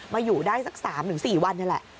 อยู่ได้สัก๓๔วันนี่แหละ